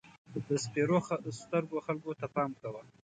د سپېرو سترګو خلکو ته پام کوه.